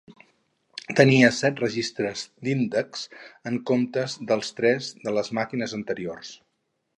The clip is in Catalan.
Tenia set registres d'índex, en comptes dels tres de les màquines anteriors.